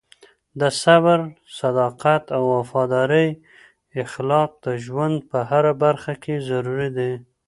د صبر، صداقت او وفادارۍ اخلاق د ژوند په هره برخه کې ضروري دي.